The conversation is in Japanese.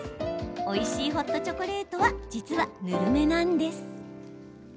おいしいホットチョコレートは実は、ぬるめなんです！